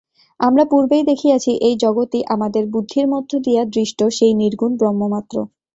আমরা পূর্বেই দেখিয়াছি, এই জগৎই আমাদের বুদ্ধির মধ্য দিয়া দৃষ্ট সেই নির্গুণ ব্রহ্মমাত্র।